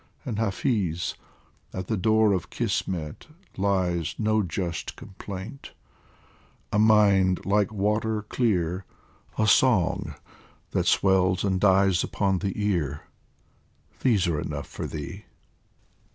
And, Hafiz, at the door of Kismet lies No just complaint a mind like water clear, A song that swells and dies upon the ear, These are enough for thee